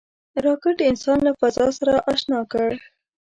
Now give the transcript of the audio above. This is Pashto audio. راکټ انسان له فضا سره اشنا کړ